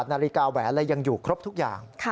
นาฬิกาแหวนอะไรยังอยู่ครบทุกอย่าง